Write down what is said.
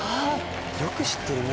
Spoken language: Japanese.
よく知ってるね。